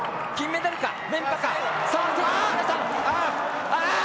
金メダルか。